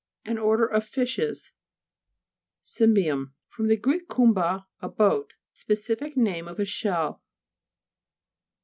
An order of fishes (p. 49). CY'MJBIUM fr. gr. kumba, a boat, specific name of a shell.